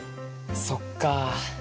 そっか。